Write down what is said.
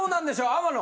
天野。